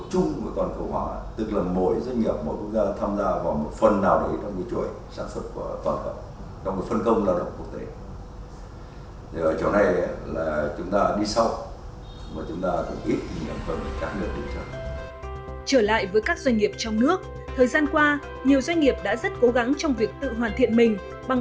hoặc họ phối hợp với một doanh nghiệp cùng nghề nghề của việt nam